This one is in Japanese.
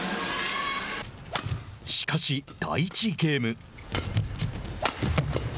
しかし第１ゲーム。